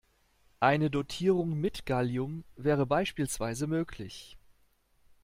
Eine Dotierung mit Gallium wäre beispielsweise möglich.